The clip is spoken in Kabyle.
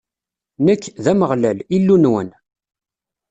Nekk, d Ameɣlal, Illu-nwen.